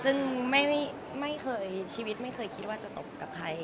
ซึ่งไม่เคยชีวิตไม่เคยคิดว่าจะตกกับใคร